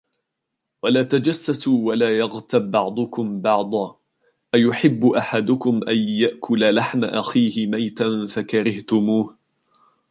وَلَا تَجَسَّسُوا وَلَا يَغْتَبْ بَعْضُكُم بَعْضًا أَيُحِبُّ أَحَدُكُمْ أَن يَأْكُلَ لَحْمَ أَخِيهِ مَيْتًا فَكَرِهْتُمُوهُ.